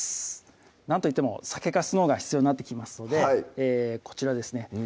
なんといっても酒粕のほうが必要になってきますのでこちらですね